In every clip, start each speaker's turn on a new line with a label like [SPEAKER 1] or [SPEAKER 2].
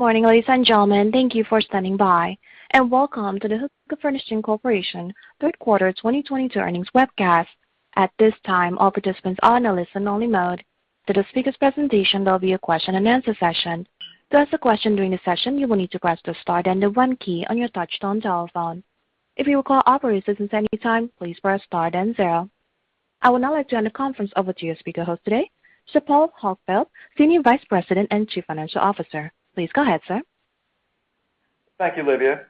[SPEAKER 1] Morning, ladies and gentlemen. Thank you for standing by, and welcome to the Hooker Furnishings Corporation Third Quarter 2022 Earnings Webcast. At this time, all participants are in a listen-only mode. Following the speakers' presentation, there'll be a question and answer session. To ask a question during the session, you will need to press the star then the one key on your touchtone telephone. If you require operator assistance any time, please press star then 0. I would now like to hand the conference over to your speaker host today, Sir Paul Huckfeldt, Senior Vice President and Chief Financial Officer. Please go ahead, sir.
[SPEAKER 2] Thank you, Olivia.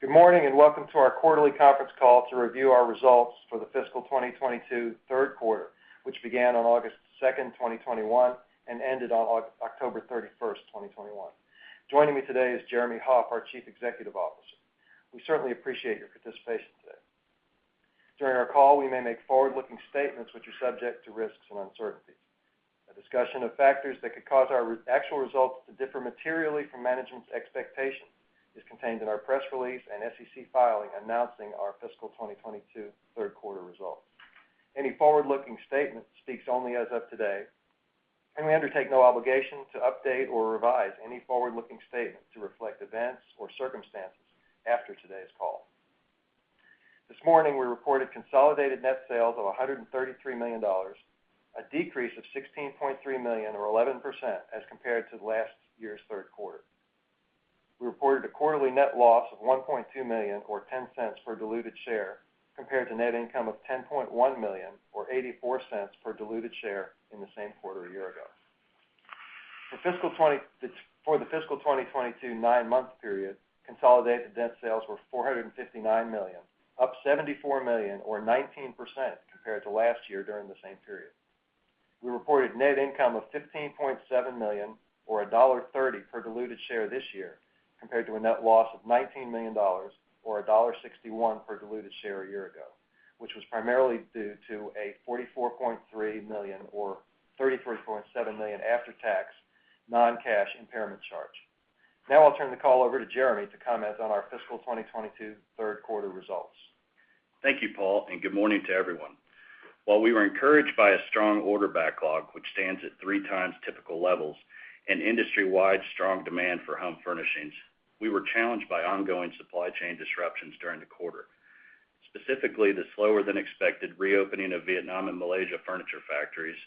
[SPEAKER 2] Good morning and welcome to our quarterly conference call to review our results for the fiscal 2022 third quarter, which began on August 2, 2021 and ended on October 31, 2021. Joining me today is Jeremy Hoff, our Chief Executive Officer. We certainly appreciate your participation today. During our call, we may make forward-looking statements which are subject to risks and uncertainties. A discussion of factors that could cause our actual results to differ materially from management's expectations is contained in our press release and SEC filing announcing our fiscal 2022 third quarter results. Any forward-looking statement speaks only as of today, and we undertake no obligation to update or revise any forward-looking statement to reflect events or circumstances after today's call. This morning, we reported consolidated net sales of $133 million, a decrease of $16.3 million or 11% as compared to last year's third quarter. We reported a quarterly net loss of $1.2 million or $0.10 per diluted share compared to net income of $10.1 million or $0.84 per diluted share in the same quarter a year ago. For the fiscal 2022 nine-month period, consolidated net sales were $459 million, up $74 million or 19% compared to last year during the same period. We reported net income of $15.7 million or $1.30 per diluted share this year compared to a net loss of $19 million or $1.61 per diluted share a year ago, which was primarily due to a $44.3 million or $33.7 million after-tax non-cash impairment charge. Now I'll turn the call over to Jeremy to comment on our fiscal 2022 third quarter results.
[SPEAKER 3] Thank you, Paul and good morning to everyone. While we were encouraged by a strong order backlog, which stands at three times typical levels and industry-wide strong demand for home furnishings, we were challenged by ongoing supply chain disruptions during the quarter. Specifically, the slower than expected reopening of Vietnam and Malaysia furniture factories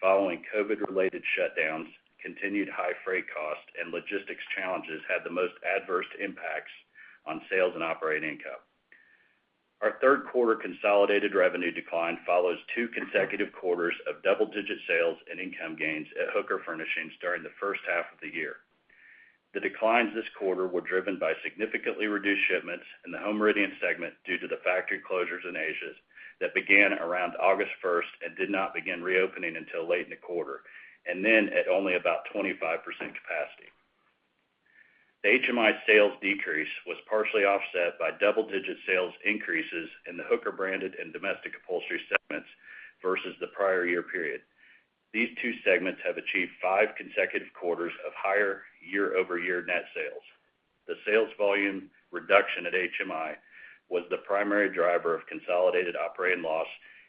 [SPEAKER 3] following COVID-related shutdowns, continued high freight costs and logistics challenges had the most adverse impacts on sales and operating income. Our third quarter consolidated revenue decline follows two consecutive quarters of double-digit sales and income gains at Hooker Furnishings during the first half of the year. The declines this quarter were driven by significantly reduced shipments in the Home Meridian segment due to the factory closures in Asia that began around August first and did not begin reopening until late in the quarter, and then at only about 25% capacity. The HMI sales decrease was partially offset by double-digit sales increases in the Hooker Branded and Domestic Upholstery segments versus the prior year period. These two segments have achieved five consecutive quarters of higher year-over-year net sales. The sales volume reduction at HMI was the primary driver of consolidated operating loss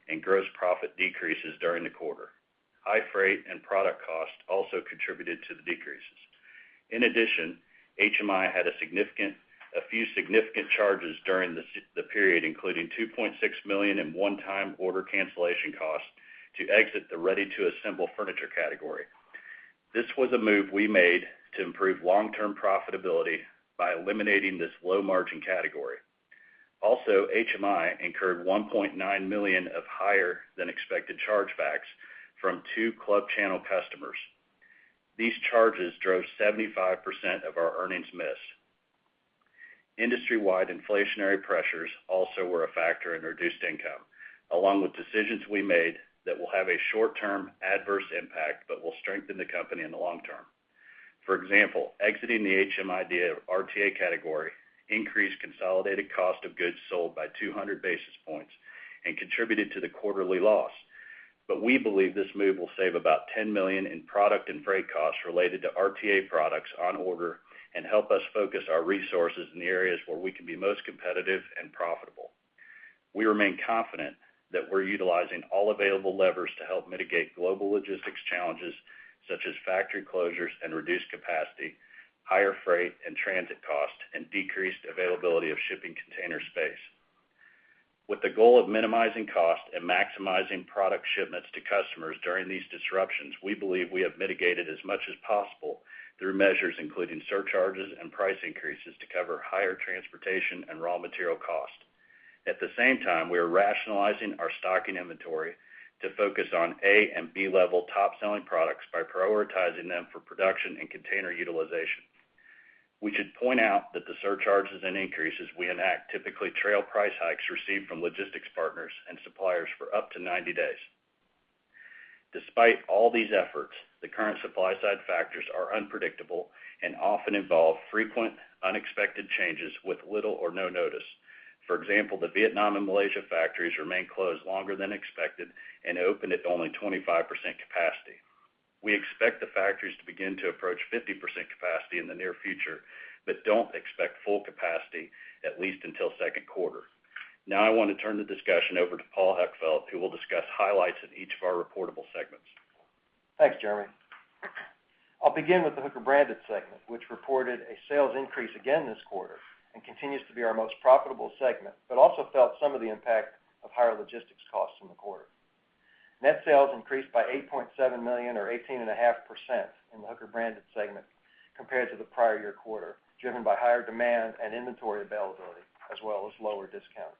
[SPEAKER 3] and gross profit decreases during the quarter. High freight and product cost also contributed to the decreases. In addition, HMI had a few significant charges during the period, including $2.6 million in one-time order cancellation costs to exit the ready-to-assemble furniture category. This was a move we made to improve long-term profitability by eliminating this low-margin category. Also, HMI incurred $1.9 million of higher than expected chargebacks from two club channel customers. These charges drove 75% of our earnings miss. Industry-wide inflationary pressures also were a factor in reduced income, along with decisions we made that will have a short term adverse impact but will strengthen the company in the long term. For example, exiting the HMidea RTA category increased consolidated cost of goods sold by 200 basis points and contributed to the quarterly loss. We believe this move will save about $10 million in product and freight costs related to RTA products on order and help us focus our resources in the areas where we can be most competitive and profitable. We remain confident that we're utilizing all available levers to help mitigate global logistics challenges, such as factory closures and reduced capacity, higher freight and transit costs, and decreased availability of shipping container space. With the goal of minimizing cost and maximizing product shipments to customers during these disruptions, we believe we have mitigated as much as possible through measures including surcharges and price increases to cover higher transportation and raw material costs. At the same time, we are rationalizing our stocking inventory to focus on A and B level top selling products by prioritizing them for production and container utilization. We should point out that the surcharges and increases we enact typically trail price hikes received from logistics partners and suppliers for up to 90 days. Despite all these efforts, the current supply side factors are unpredictable and often involve frequent unexpected changes with little or no notice. For example, the Vietnam and Malaysia factories remain closed longer than expected and open at only 25% capacity. We expect the factories to begin to approach 50% capacity in the near future, but don't expect full capacity at least until second quarter. Now I want to turn the discussion over to Paul Huckfeldt, who will discuss highlights in each of our reportable segments.
[SPEAKER 2] Thanks, Jeremy. I'll begin with the Hooker Branded segment, which reported a sales increase again this quarter and continues to be our most profitable segment, but also felt some of the impact of higher logistics costs in the quarter. Net sales increased by $8.7 million or 18.5% in the Hooker Branded segment compared to the prior year quarter, driven by higher demand and inventory availability, as well as lower discount.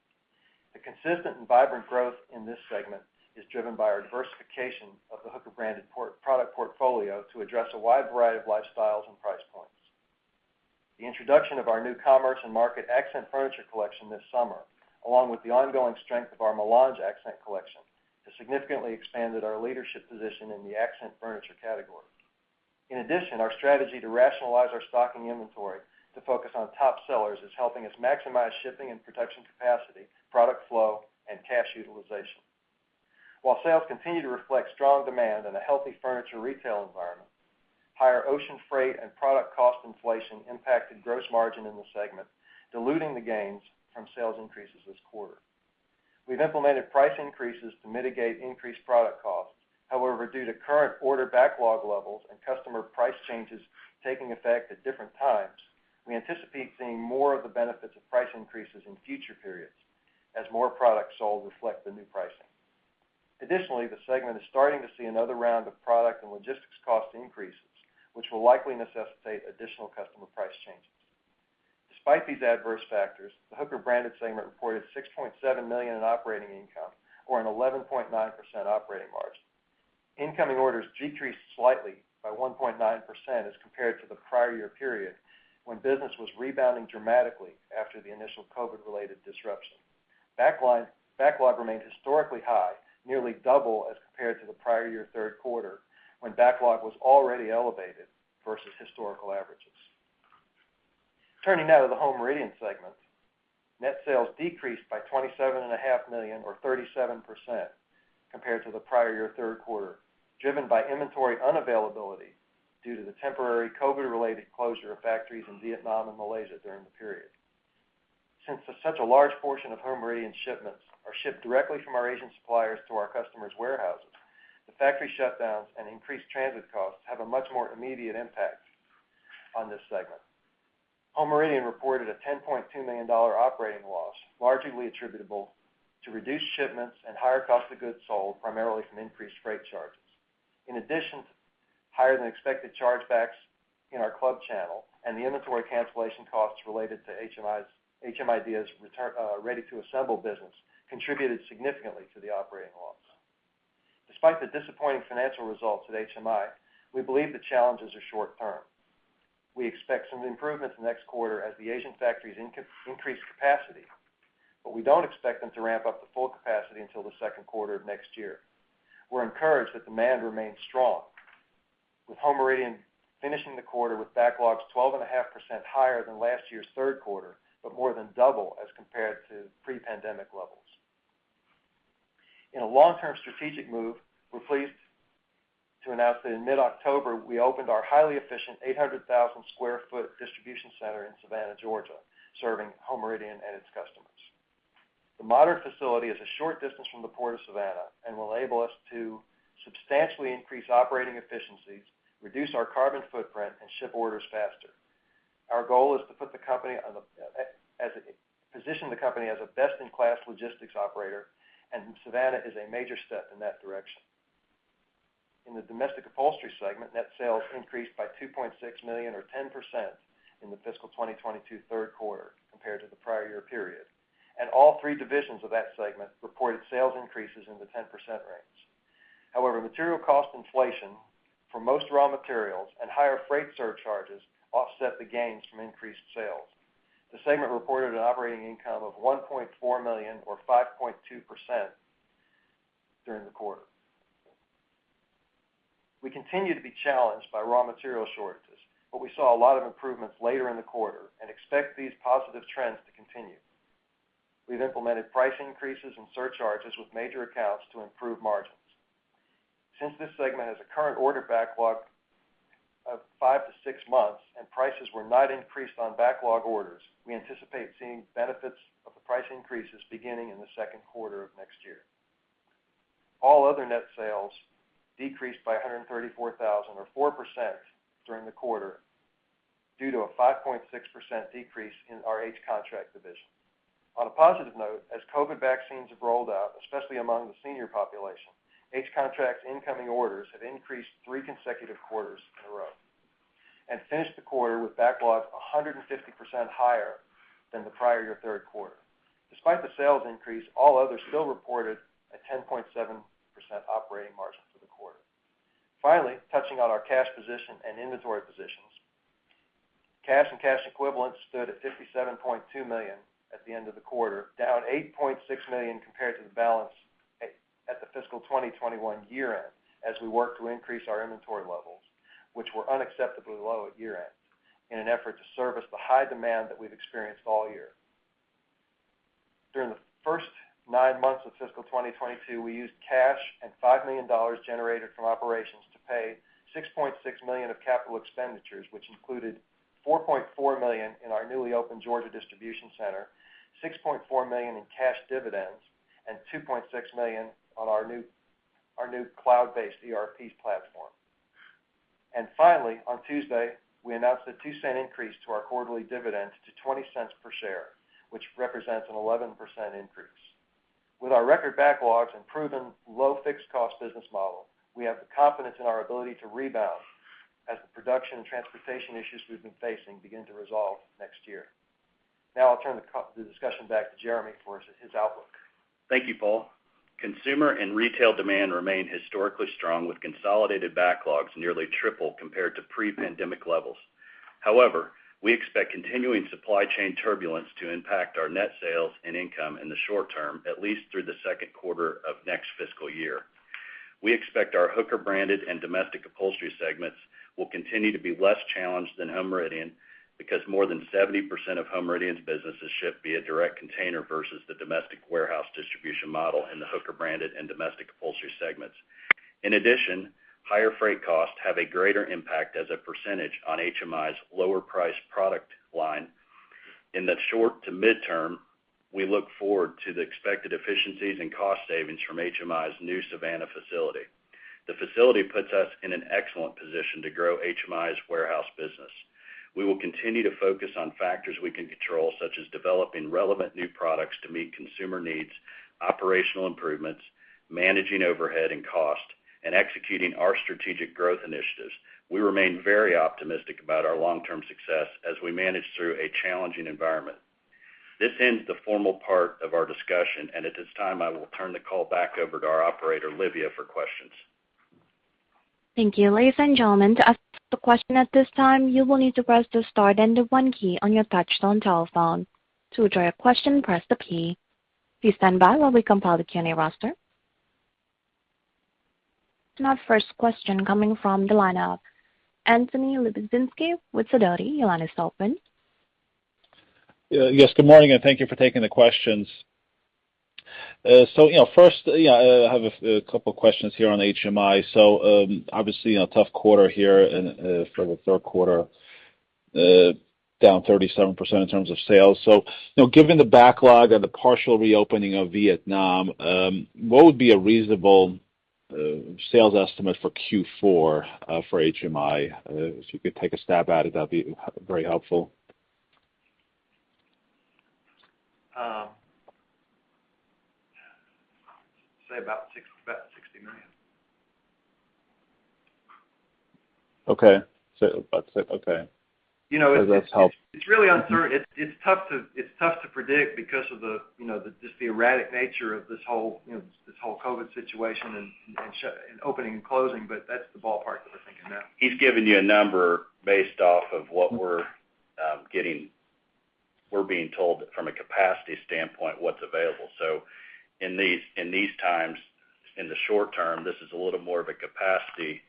[SPEAKER 2] The consistent and vibrant growth in this segment is driven by our diversification of the Hooker Branded core product portfolio to address a wide variety of lifestyles and price points. The introduction of our new Commerce & Market accent furniture collection this summer, along with the ongoing strength of our Mélange accent collection, has significantly expanded our leadership position in the accent furniture category. In addition, our strategy to rationalize our stocking inventory to focus on top sellers is helping us maximize shipping and production capacity, product flow, and cash utilization. While sales continue to reflect strong demand in a healthy furniture retail environment, higher ocean freight and product cost inflation impacted gross margin in the segment, diluting the gains from sales increases this quarter. We've implemented price increases to mitigate increased product costs. However, due to current order backlog levels and customer price changes taking effect at different times, we anticipate seeing more of the benefits of price increases in future periods as more products sold reflect the new pricing. Additionally, the segment is starting to see another round of product and logistics cost increases, which will likely necessitate additional customer price changes. Despite these adverse factors, the Hooker Branded segment reported $6.7 million in operating income or an 11.9% operating margin. Incoming orders decreased slightly by 1.9% as compared to the prior year period when business was rebounding dramatically after the initial COVID-related disruption. Backlog remained historically high, nearly double as compared to the prior year third quarter, when backlog was already elevated versus historical averages. Turning now to the Home Meridian segment, net sales decreased by $27.5 million or 37% compared to the prior year third quarter, driven by inventory unavailability due to the temporary COVID-related closure of factories in Vietnam and Malaysia during the period. Since such a large portion of Home Meridian shipments are shipped directly from our Asian suppliers to our customers' warehouses, the factory shutdowns and increased transit costs have a much more immediate impact on this segment. Home Meridian reported a $10.2 million operating loss, largely attributable to reduced shipments and higher cost of goods sold primarily from increased freight charges. In addition, higher than expected chargebacks in our club channel and the inventory cancellation costs related to HM idea's return, ready to assemble business contributed significantly to the operating loss. Despite the disappointing financial results at HMI, we believe the challenges are short term. We expect some improvements next quarter as the Asian factories increase capacity, but we don't expect them to ramp up to full capacity until the second quarter of next year. We're encouraged that demand remains strong, with Home Meridian finishing the quarter with backlogs 12.5% higher than last year's third quarter, but more than double as compared to pre-pandemic levels. In a long-term strategic move, we're pleased to announce that in mid-October, we opened our highly efficient 800,000 sq ft distribution center in Savannah, Georgia, serving Home Meridian and its customers. The modern facility is a short distance from the Port of Savannah and will enable us to substantially increase operating efficiencies, reduce our carbon footprint, and ship orders faster. Our goal is to position the company as a best-in-class logistics operator, and Savannah is a major step in that direction. In the Domestic Upholstery segment, net sales increased by $2.6 million or 10% in the fiscal 2022 third quarter compared to the prior year period. All three divisions of that segment reported sales increases in the 10% range. However, material cost inflation for most raw materials and higher freight surcharges offset the gains from increased sales. The segment reported an operating income of $1.4 million or 5.2% during the quarter. We continue to be challenged by raw material shortages, but we saw a lot of improvements later in the quarter and expect these positive trends to continue. We've implemented price increases and surcharges with major accounts to improve margins. Since this segment has a current order backlog of five-six months and prices were not increased on backlog orders, we anticipate seeing benefits of the price increases beginning in the second quarter of next year. All other net sales decreased by $134,000 or 4% during the quarter due to a 5.6% decrease in our H Contract division. On a positive note, as COVID vaccines have rolled out, especially among the senior population, H Contract's incoming orders have increased three consecutive quarters in a row and finished the quarter with backlogs 150% higher than the prior year third quarter. Despite the sales increase, all others still reported a 10.7% operating margin for the quarter. Finally, touching on our cash position and inventory positions. Cash and cash equivalents stood at $57.2 million at the end of the quarter, down $8.6 million compared to the balance at the fiscal 2021 year-end as we work to increase our inventory levels, which were unacceptably low at year-end, in an effort to service the high demand that we've experienced all year. During the first nine months of fiscal 2022, we used cash and $5 million generated from operations to pay $6.6 million of capital expenditures, which included $4.4 million in our newly opened Georgia distribution center, $6.4 million in cash dividends, and $2.6 million on our new cloud-based ERP platform. Finally, on Tuesday, we announced a $0.02 increase to our quarterly dividend to $0.20 cents per share, which represents an 11% increase. With our record backlogs and proven low fixed cost business model, we have the confidence in our ability to rebound as the production and transportation issues we've been facing begin to resolve next year. Now I'll turn the discussion back to Jeremy for his outlook.
[SPEAKER 3] Thank you, Paul. Consumer and retail demand remain historically strong with consolidated backlogs nearly triple compared to pre-pandemic levels. However, we expect continuing supply chain turbulence to impact our net sales and income in the short term, at least through the second quarter of next fiscal year. We expect our Hooker Branded and Domestic Upholstery segments will continue to be less challenged than Home Meridian because more than 70% of Home Meridian's businesses ship via direct container versus the domestic warehouse distribution model in the Hooker Branded and Domestic Upholstery segments. In addition, higher freight costs have a greater impact as a percentage on HMI's lower price product line. In the short to midterm, we look forward to the expected efficiencies and cost savings from HMI's new Savannah facility. The facility puts us in an excellent position to grow HMI's warehouse business. We will continue to focus on factors we can control, such as developing relevant new products to meet consumer needs, operational improvements, managing overhead and cost, and executing our strategic growth initiatives. We remain very optimistic about our long-term success as we manage through a challenging environment. This ends the formal part of our discussion, and at this time, I will turn the call back over to our operator, Olivia, for questions.
[SPEAKER 1] Thank you. Ladies and gentlemen, to ask the question at this time, you will need to press the star then the one key on your touchtone telephone. To withdraw your question, press the key. Please stand by while we compile the Q&A roster. Our first question coming from the line of Anthony Lebiedzinski with Sidoti. Your line is open.
[SPEAKER 4] Yes, good morning and thank you for taking the questions. You know, first, I have a couple questions here on HMI. Obviously, you know, tough quarter here in for the third quarter, down 37% in terms of sales. You know, given the backlog and the partial reopening of Vietnam, what would be a reasonable sales estimate for Q4 for HMI? If you could take a stab at it, that'd be very helpful.
[SPEAKER 2] Say about $60 million.
[SPEAKER 4] Okay.
[SPEAKER 2] You know,
[SPEAKER 4] That helps.
[SPEAKER 2] It's really uncertain. It's tough to predict because of the, you know, just the erratic nature of this whole, you know, this whole COVID situation and opening and closing, but that's the ballpark that we're thinking now.
[SPEAKER 3] He's giving you a number based off of what we're being told from a capacity standpoint what's available. In these times, in the short term, this is a little more of a capacity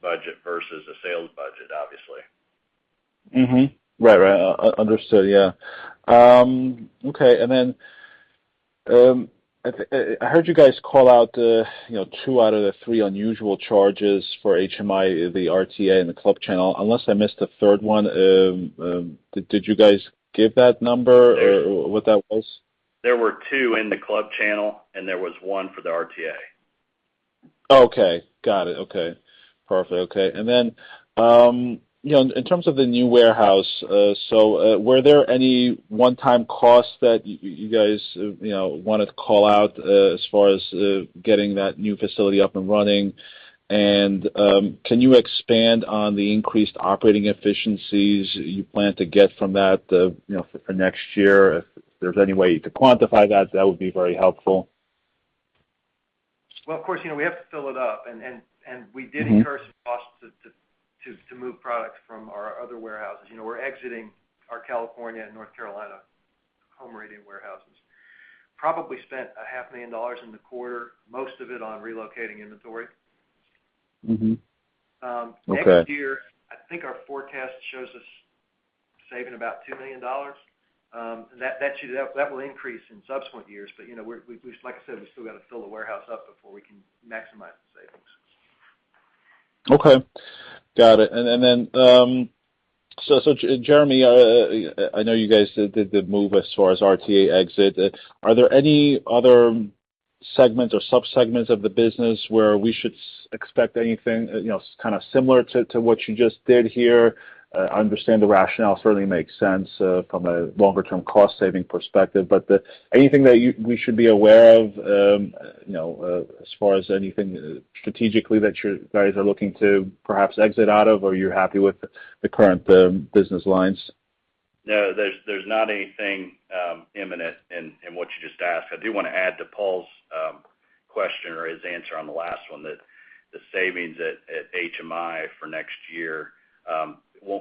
[SPEAKER 3] budget versus a sales budget, obviously.
[SPEAKER 4] Right. Understood. Yeah. Okay. Then I heard you guys call out, you know, two out of the three unusual charges for HMI, the RTA and the club channel, unless I missed a third one. Did you guys give that number or what that was?
[SPEAKER 3] There were two in the club channel, and there was one for the RTA.
[SPEAKER 4] Okay. Got it. Okay. Perfect. Okay. You know, in terms of the new warehouse, were there any one-time costs that you guys, you know, wanted to call out as far as getting that new facility up and running? Can you expand on the increased operating efficiencies you plan to get from that, you know, for next year? If there's any way to quantify that would be very helpful.
[SPEAKER 2] Well, of course, you know, we have to fill it up and we did incur some costs to move products from our other warehouses. You know, we're exiting our California and North Carolina Home Meridian warehouses. Probably spent a half million dollars in the quarter, most of it on relocating inventory.
[SPEAKER 4] Mm-hmm. Okay.
[SPEAKER 2] Next year, I think our forecast shows us saving about $2 million. That will increase in subsequent years. You know, like I said, we still got to fill the warehouse up before we can maximize the savings.
[SPEAKER 4] Okay. Got it. So Jeremy, I know you guys did the move as far as RTA exit. Are there any other segments or sub-segments of the business where we should expect anything, you know, kind of similar to what you just did here? I understand the rationale certainly makes sense from a longer term cost saving perspective. Anything that we should be aware of, you know, as far as anything strategically that you guys are looking to perhaps exit out of, or you're happy with the current business lines?
[SPEAKER 3] No, there's not anything imminent in what you just asked. I do want to add to Paul's question or his answer on the last one, that the savings at HMI for next year won't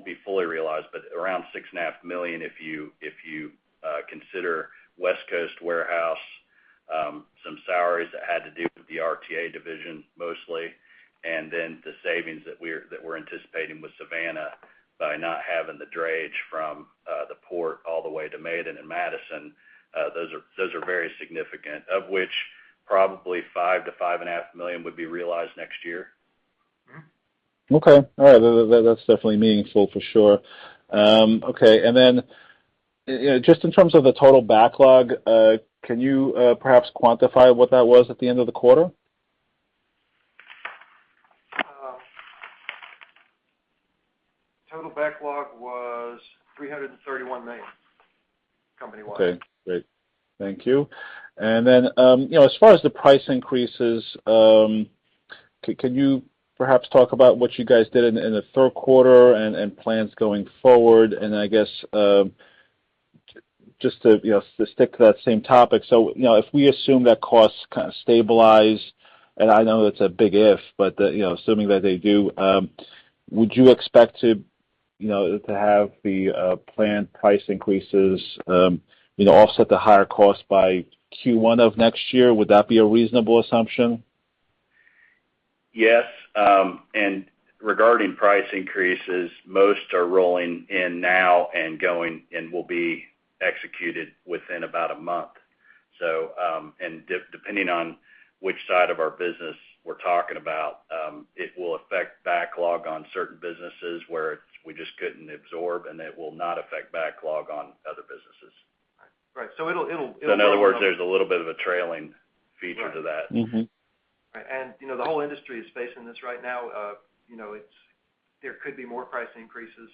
[SPEAKER 3] be fully realized, but around $6.5 million if you consider West Coast warehouse, some salaries that had to do with the RTA division mostly, and then the savings that we're anticipating with Savannah by not having the drayage from the port all the way to Maiden and Madison. Those are very significant, of which probably $5 million-$5.5 million would be realized next year.
[SPEAKER 4] Okay. All right. That's definitely meaningful for sure. Okay. Then, you know, just in terms of the total backlog, can you perhaps quantify what that was at the end of the quarter?
[SPEAKER 2] Total backlog was $331 million, company-wide.
[SPEAKER 4] Okay, great. Thank you. You know, as far as the price increases, can you perhaps talk about what you guys did in the third quarter and plans going forward? I guess, just to, you know, to stick to that same topic. You know, if we assume that costs kind of stabilize, and I know it's a big if, but, you know, assuming that they do, would you expect to have the planned price increases offset the higher cost by Q1 of next year? Would that be a reasonable assumption?
[SPEAKER 3] Yes. Regarding price increases, most are rolling in now and will be executed within about a month. Depending on which side of our business we're talking about, it will affect backlog on certain businesses where we just couldn't absorb, and it will not affect backlog on other businesses.
[SPEAKER 2] Right. It'll
[SPEAKER 3] In other words, there's a little bit of a trailing feature to that.
[SPEAKER 4] Mm-hmm.
[SPEAKER 2] You know, the whole industry is facing this right now. You know, there could be more price increases,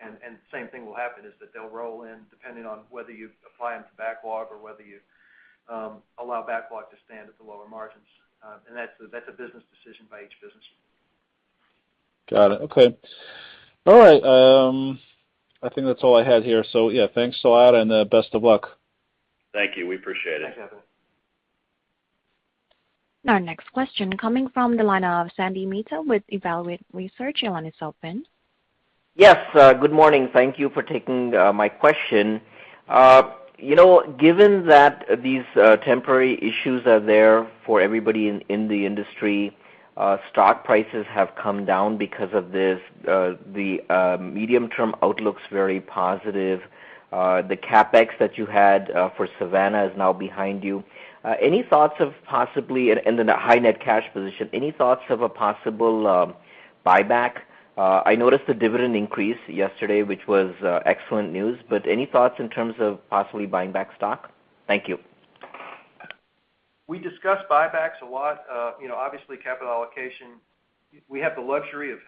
[SPEAKER 2] and the same thing will happen, that they'll roll in depending on whether you apply them to backlog or whether you allow backlog to stand at the lower margins. That's a business decision by each business.
[SPEAKER 4] Got it. Okay. All right. I think that's all I had here. Yeah, thanks a lot and best of luck.
[SPEAKER 3] Thank you. We appreciate it.
[SPEAKER 2] Thanks, Evan.
[SPEAKER 1] Our next question coming from the line of Sandy Mehta with Evaluate Research. Your line is open.
[SPEAKER 5] Yes. Good morning. Thank you for taking my question. You know, given that these temporary issues are there for everybody in the industry, stock prices have come down because of this. The medium-term outlook's very positive. The CapEx that you had for Savannah is now behind you. Any thoughts of possibly and then the high net cash position. Any thoughts of a possible buyback? I noticed the dividend increase yesterday, which was excellent news, but any thoughts in terms of possibly buying back stock? Thank you.
[SPEAKER 2] We discussed buybacks a lot. You know, obviously capital allocation. We have the luxury of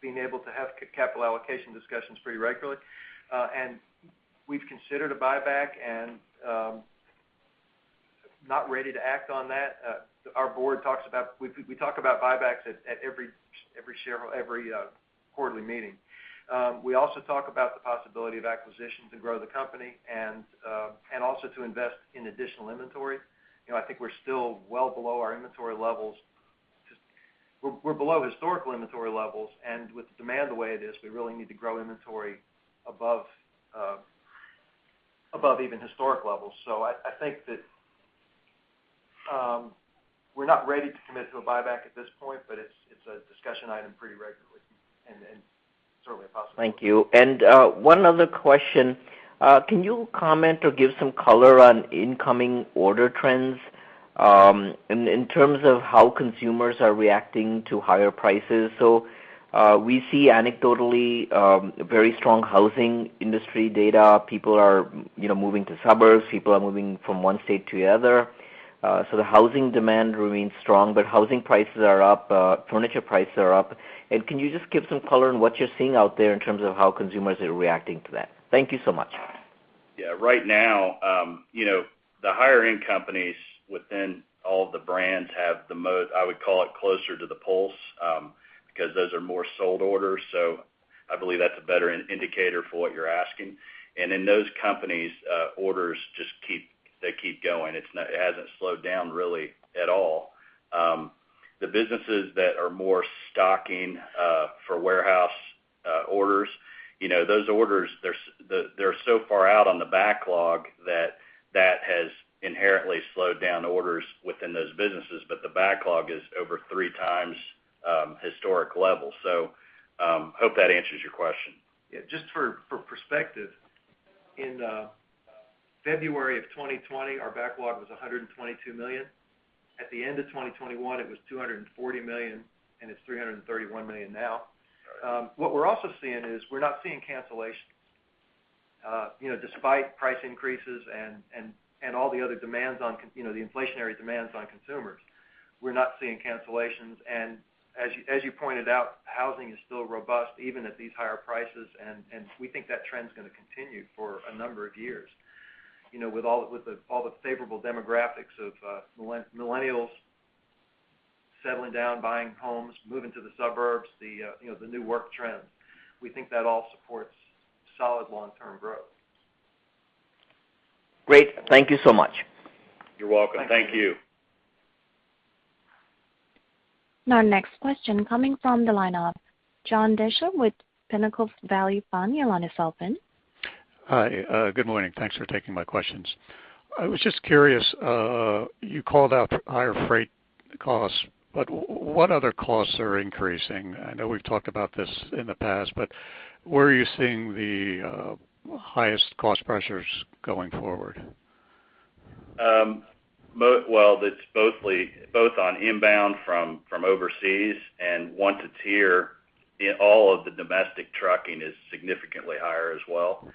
[SPEAKER 2] being able to have capital allocation discussions pretty regularly. We've considered a buyback and not ready to act on that. Our board talks about, we talk about buybacks at every quarterly meeting. We also talk about the possibility of acquisitions to grow the company and also to invest in additional inventory. You know, I think we're still well below our inventory levels. We're below historical inventory levels, and with demand the way it is, we really need to grow inventory above even historic levels. I think that we're not ready to commit to a buyback at this point, but it's a discussion item pretty regularly and certainly a possibility.
[SPEAKER 5] Thank you. One other question. Can you comment or give some color on incoming order trends in terms of how consumers are reacting to higher prices? We see anecdotally very strong housing industry data. People are, you know, moving to suburbs. People are moving from one state to the other. The housing demand remains strong, but housing prices are up. Furniture prices are up. Can you just give some color on what you're seeing out there in terms of how consumers are reacting to that? Thank you so much.
[SPEAKER 3] Yeah. Right now, you know, the higher end companies within all the brands have the most, I would call it, closer to the pulse, because those are more sold orders. I believe that's a better indicator for what you're asking. In those companies, orders just keep going. It hasn't slowed down really at all. The businesses that are more stocking for warehouse orders, you know, those orders, they're so far out on the backlog that that has inherently slowed down orders within those businesses, but the backlog is over three times historic levels. Hope that answers your question.
[SPEAKER 2] Yeah. Just for perspective, in February of 2020, our backlog was $122 million. At the end of 2021, it was $240 million, and it's $331 million now. What we're also seeing is we're not seeing cancellations. You know, despite price increases and all the other demands on the inflationary demands on consumers, we're not seeing cancellations. As you pointed out, housing is still robust even at these higher prices. We think that trend's gonna continue for a number of years. You know, with all the favorable demographics of millennials settling down, buying homes, moving to the suburbs, you know, the new work trends, we think that all supports solid long-term growth.
[SPEAKER 5] Great. Thank you so much.
[SPEAKER 3] You're welcome. Thank you.
[SPEAKER 1] Our next question coming from the line of John Deysher with Pinnacle Value Fund. Your line is open.
[SPEAKER 6] Hi, good morning. Thanks for taking my questions. I was just curious, you called out higher freight costs, but what other costs are increasing? I know we've talked about this in the past, but where are you seeing the highest cost pressures going forward?
[SPEAKER 3] Well, it's mostly both on inbound from overseas and one to tier in all of the domestic trucking is significantly higher as well.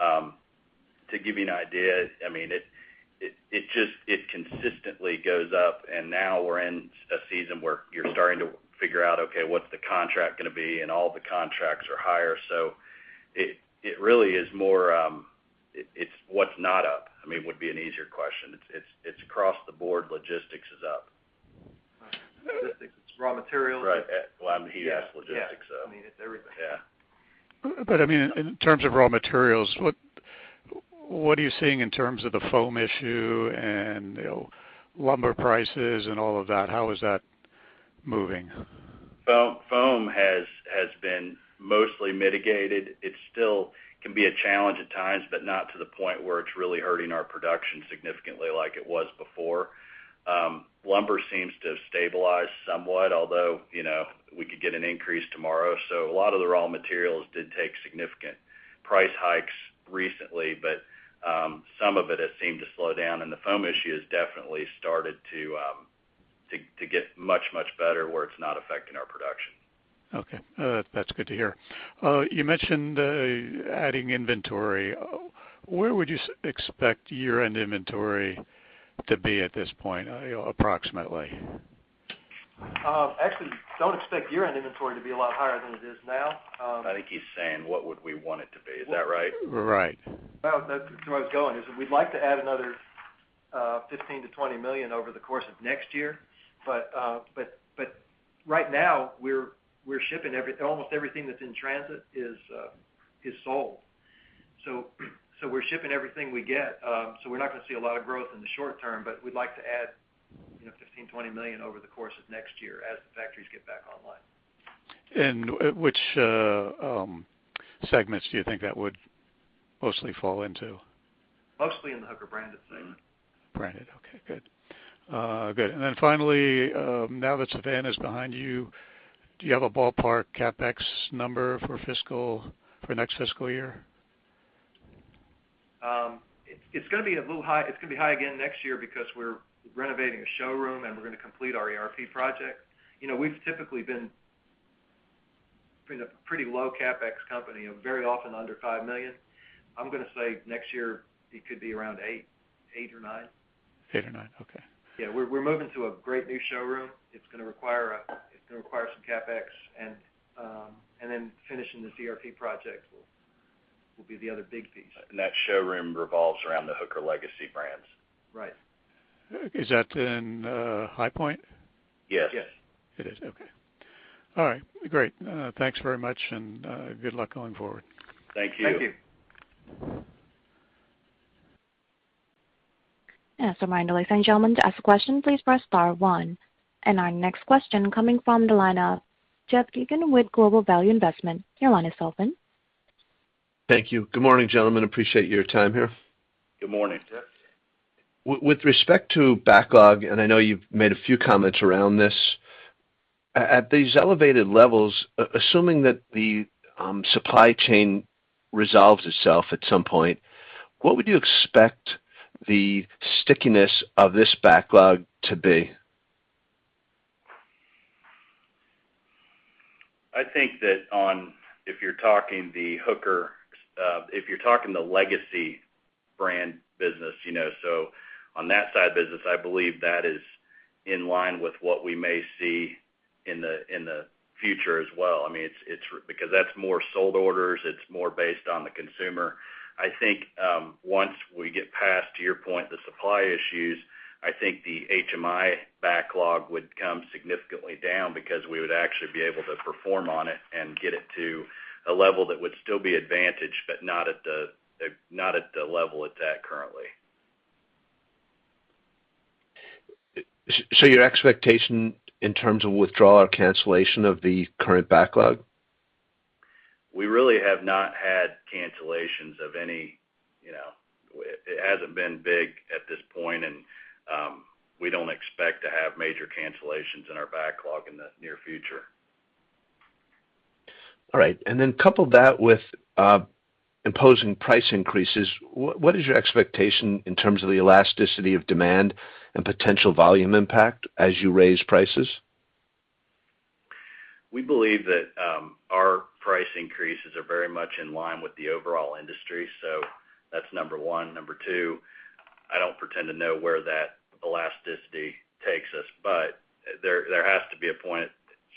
[SPEAKER 3] To give you an idea, I mean, it just consistently goes up, and now we're in a season where you're starting to figure out, okay, what's the contract gonna be, and all the contracts are higher. It really is more, it's what's not up, I mean, would be an easier question. It's across the board, logistics is up.
[SPEAKER 2] Logistics, raw materials.
[SPEAKER 3] Right. Well, he asked logistics, so.
[SPEAKER 2] Yeah. I mean, it's everything.
[SPEAKER 3] Yeah.
[SPEAKER 6] I mean, in terms of raw materials, what are you seeing in terms of the foam issue and, you know, lumber prices and all of that? How is that moving?
[SPEAKER 3] Foam has been mostly mitigated. It still can be a challenge at times, but not to the point where it's really hurting our production significantly like it was before. Lumber seems to have stabilized somewhat, although, you know, we could get an increase tomorrow. A lot of the raw materials did take significant price hikes recently, but some of it has seemed to slow down, and the foam issue has definitely started to get much better where it's not affecting our production.
[SPEAKER 6] Okay. That's good to hear. You mentioned adding inventory. Where would you expect year-end inventory to be at this point, approximately?
[SPEAKER 2] Actually, don't expect year-end inventory to be a lot higher than it is now.
[SPEAKER 3] I think he's saying, what would we want it to be? Is that right?
[SPEAKER 6] Right.
[SPEAKER 2] Well, that's where I was going is we'd like to add another $15 million-$20 million over the course of next year. Right now, we're shipping almost everything that's in transit is sold. We're shipping everything we get. We're not gonna see a lot of growth in the short term, but we'd like to add, you know, $15 million-$20 million over the course of next year as the factories get back online.
[SPEAKER 6] Which segments do you think that would mostly fall into?
[SPEAKER 2] Mostly in the Hooker Branded segment.
[SPEAKER 6] Branded. Okay, good. Then finally, now that Savannah is behind you, do you have a ballpark CapEx number for next fiscal year?
[SPEAKER 2] It's gonna be a little high. It's gonna be high again next year because we're renovating a showroom, and we're gonna complete our ERP project. You know, we've typically been a pretty low CapEx company, very often under $5 million. I'm gonna say next year, it could be around $8 million or $9 million.
[SPEAKER 6] $8 million or $9 million. Okay.
[SPEAKER 2] Yeah. We're moving to a great new showroom. It's gonna require some CapEx, and then finishing the ERP project will be the other big piece.
[SPEAKER 3] That showroom revolves around the Hooker legacy brands.
[SPEAKER 2] Right.
[SPEAKER 6] Is that in High Point?
[SPEAKER 3] Yes.
[SPEAKER 2] Yes.
[SPEAKER 6] It is. Okay. All right. Great. Thanks very much and good luck going forward.
[SPEAKER 3] Thank you.
[SPEAKER 2] Thank you.
[SPEAKER 1] As a reminder, ladies and gentlemen, to ask a question, please press star one. Our next question coming from the line of Jeff Geygan with Global Value Investment. Your line is open.
[SPEAKER 7] Thank you. Good morning, gentlemen. I appreciate your time here.
[SPEAKER 3] Good morning.
[SPEAKER 2] Yes.
[SPEAKER 7] With respect to backlog, and I know you've made a few comments around this. At these elevated levels, assuming that the supply chain resolves itself at some point, what would you expect the stickiness of this backlog to be?
[SPEAKER 3] I think that if you're talking the Hooker legacy brand business, you know, on that side of business, I believe that is in line with what we may see in the future as well. I mean, it's because that's more sold orders, it's more based on the consumer. I think once we get past, to your point, the supply issues, I think the HMI backlog would come significantly down because we would actually be able to perform on it and get it to a level that would still be advantageous, but not at the level it's at currently.
[SPEAKER 7] Your expectation in terms of withdrawal or cancellation of the current backlog?
[SPEAKER 3] We really have not had cancellations of any, you know. It hasn't been big at this point, and we don't expect to have major cancellations in our backlog in the near future.
[SPEAKER 7] All right. Couple that with imposing price increases, what is your expectation in terms of the elasticity of demand and potential volume impact as you raise prices?
[SPEAKER 3] We believe that our price increases are very much in line with the overall industry, that's number one. Number two, I don't pretend to know where that elasticity takes us, but there has to be a point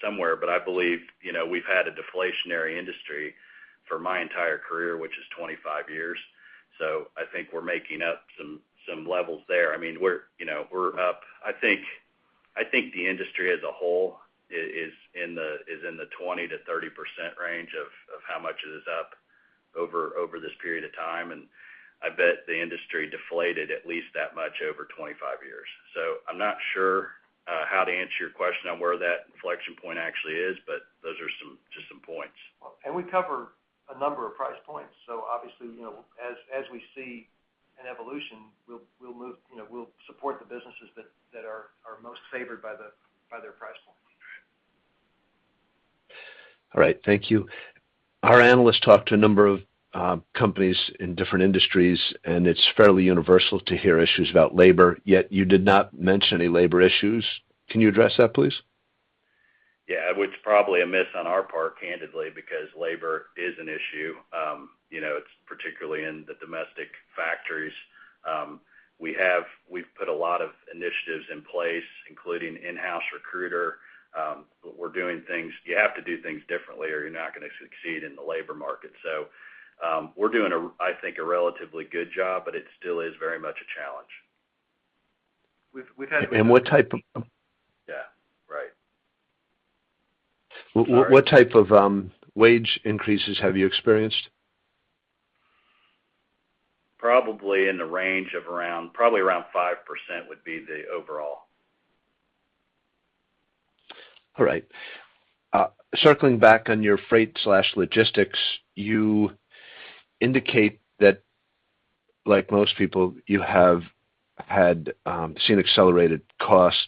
[SPEAKER 3] somewhere. I believe, you know, we've had a deflationary industry for my entire career which is 25 years. I think we're making up some levels there. I mean, you know, we're up. I think the industry as a whole is in the 20%-30% range of how much it is up over this period of time and I bet the industry deflated at least that much over 25 years. I'm not sure how to answer your question on where that inflection point actually is, but those are just some points.
[SPEAKER 2] We cover a number of price points. Obviously, you know, as we see an evolution, we'll move, you know, we'll support the businesses that are most favored by their price point.
[SPEAKER 7] All right. Thank you. Our analysts talk to a number of companies in different industries and it's fairly universal to hear issues about labor, yet you did not mention any labor issues. Can you address that, please?
[SPEAKER 3] Yeah. It's probably a miss on our part, candidly, because labor is an issue. You know, it's particularly in the domestic factories. We've put a lot of initiatives in place, including in-house recruiter. We're doing things. You have to do things differently or you're not gonna succeed in the labor market. We're doing, I think, a relatively good job, but it still is very much a challenge.
[SPEAKER 2] We've had
[SPEAKER 7] What type of--
[SPEAKER 3] Yeah. Right. Sorry.
[SPEAKER 7] What type of wage increases have you experienced?
[SPEAKER 3] Probably around 5% would be the overall.
[SPEAKER 7] All right. Circling back on your freight/logistics, you indicate that like most people, you have had seen accelerated costs,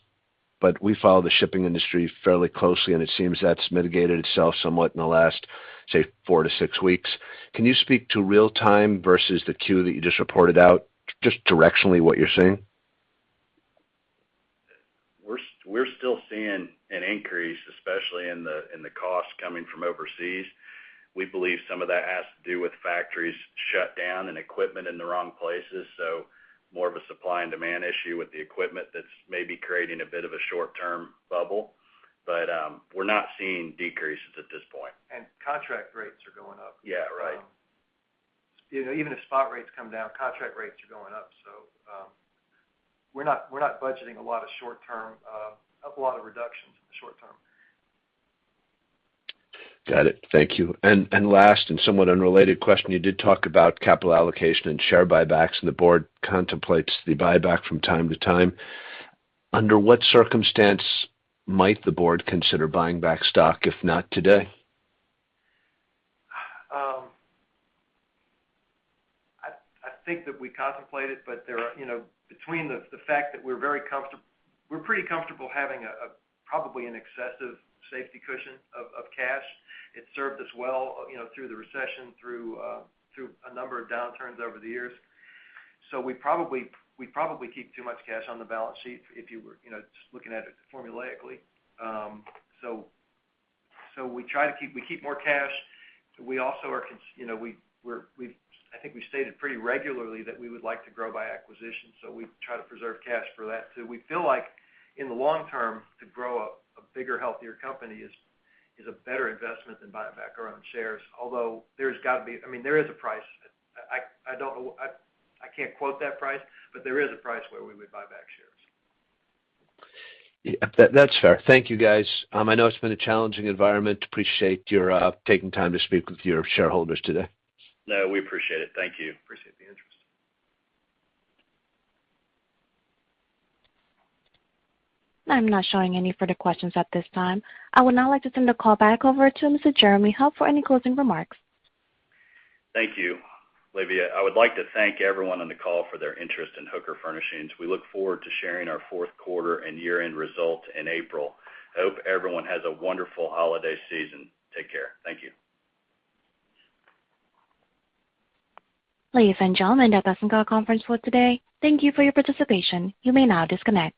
[SPEAKER 7] but we follow the shipping industry fairly closely, and it seems that's mitigated itself somewhat in the last, say, four-six weeks. Can you speak to real time versus the Q that you just reported out, just directionally what you're seeing?
[SPEAKER 3] We're still seeing an increase, especially in the costs coming from overseas. We believe some of that has to do with factories shut down and equipment in the wrong places. More of a supply and demand issue with the equipment that's maybe creating a bit of a short-term bubble. We're not seeing decreases at this point.
[SPEAKER 2] Contract rates are going up.
[SPEAKER 3] Yeah, right.
[SPEAKER 2] You know, even if spot rates come down, contract rates are going up. We're not budgeting a lot of reductions in the short term.
[SPEAKER 7] Got it. Thank you. Last and somewhat unrelated question, you did talk about capital allocation and share buybacks, and the board contemplates the buyback from time to time. Under what circumstance might the board consider buying back stock, if not today?
[SPEAKER 2] I think that we contemplate it, but there are, you know, between the fact that we're pretty comfortable having probably an excessive safety cushion of cash. It served us well, you know, through the recession, through a number of downturns over the years. We probably keep too much cash on the balance sheet if you were, you know, just looking at it formulaically. We try to keep more cash. We also, you know, I think we stated pretty regularly that we would like to grow by acquisition, so we try to preserve cash for that, too. We feel like in the long term, to grow a bigger, healthier company is a better investment than buying back our own shares. Although there's got to be, I mean, there is a price. I don't know, I can't quote that price, but there is a price where we would buy back shares.
[SPEAKER 7] Yeah. That's fair. Thank you, guys. I know it's been a challenging environment. Appreciate your taking time to speak with your shareholders today.
[SPEAKER 3] No, we appreciate it. Thank you.
[SPEAKER 2] Appreciate the interest.
[SPEAKER 1] I'm not showing any further questions at this time. I would now like to turn the call back over to Mr. Jeremy Hoff for any closing remarks.
[SPEAKER 3] Thank you, Olivia. I would like to thank everyone on the call for their interest in Hooker Furnishings. We look forward to sharing our fourth quarter and year-end results in April. I hope everyone has a wonderful holiday season. Take care. Thank you.
[SPEAKER 1] Ladies and gentlemen, that does end our conference call today. Thank you for your participation. You may now disconnect.